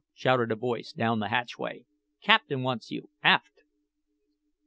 shouted a voice down the hatchway; "captain wants you, aft."